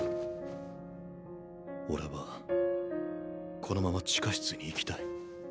俺はこのまま地下室に行きたい。